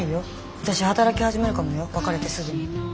私働き始めるかもよ別れてすぐに。